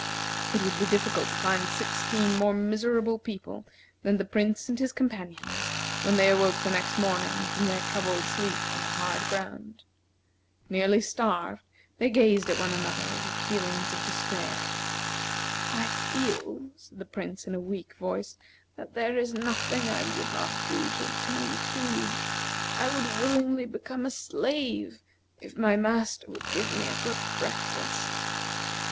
It would be difficult to find sixteen more miserable people than the Prince and his companions when they awoke the next morning from their troubled sleep on the hard ground. Nearly starved, they gazed at one another with feelings of despair. "I feel," said the Prince, in a weak voice, "that there is nothing I would not do to obtain food. I would willingly become a slave if my master would give me a good breakfast."